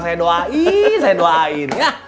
saya doain saya doain